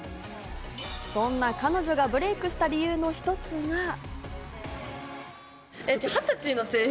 そんな彼女がブレイクした理由の一つが。